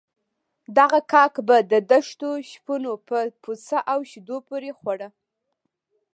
دغه کاک به د دښتو شپنو په پوڅه او شيدو پورې خوړ.